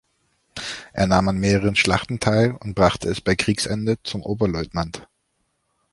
Er nahm an mehreren Schlachten teil und brachte es bei Kriegsende zum Oberleutnant.